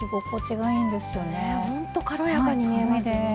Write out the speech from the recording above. ほんと軽やかに見えますよね。